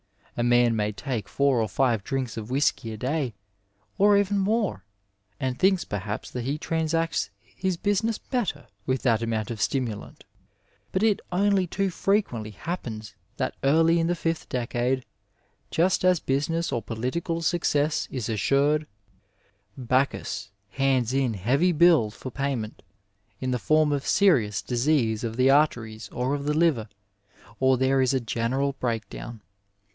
A man may take four or five drinks of whiskey a day, or even more, and think perhaps that he transacts bis business better with that amount of stimulant; but it only too frequently happens that early in the fifth decade, just as business or political success is assured, Bacchus hands in heavy bills for payment, in the form of serious disease of the arteries or of the liver, or there is a general breakdown.